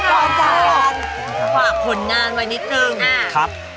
ขอบคุณครับขอบคุณนานไว้นิดนึงอ่าครับ